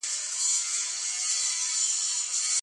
سالم عقل لرونکې ښځه د بسترې په بېلېدو ځورېږي.